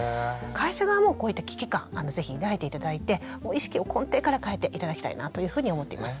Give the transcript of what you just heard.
会社側もこういった危機感是非抱いて頂いて意識を根底から変えて頂きたいなというふうに思っています。